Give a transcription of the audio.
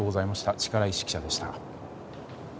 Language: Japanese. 力石記者でした。